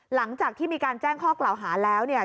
หลังจากที่มีการแจ้งข้อกล่าวหาแล้วเนี่ย